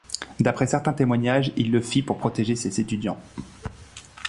D'après certains témoignages, il le fit pour protéger ses étudiants.